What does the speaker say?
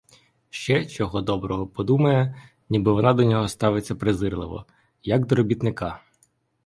Ще, чого доброго, подумає, ніби вона до нього ставиться презирливо, як до робітника!